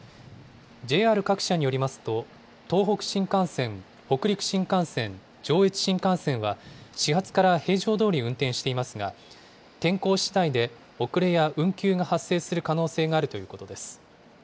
ＪＲ各社によりますと、東北新幹線、北陸新幹線、上越新幹線は、始発から平常どおり運転していますが、天候しだいで遅れや運休が発生する可能性があるということです。